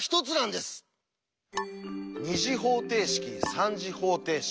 ２次方程式３次方程式